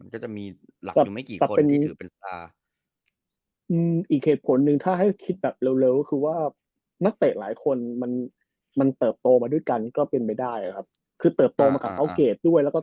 ก็จะมีหลักอยู่ไม่กี่คนที่ถือเป็นสภา